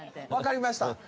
わかりました。